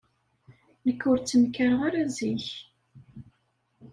Nekk ur ttenkareɣ ara zik.